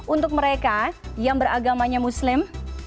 untuk mereka yang beragamanya muslim